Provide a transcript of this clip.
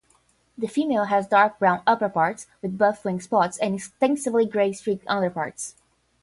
The female has dark brown upperparts, with buff wing spots and extensively grey-streaked underparts.